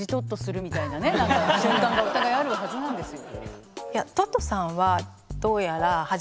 瞬間がお互いあるはずなんですよ。